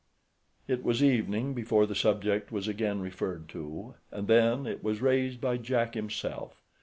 It was evening before the subject was again referred to and then it was raised by Jack himself.